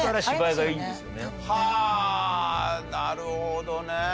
はあなるほどね。